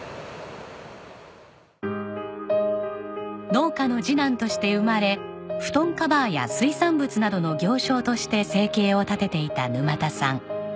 農家の次男として生まれ布団カバーや水産物などの行商として生計を立てていた沼田さん。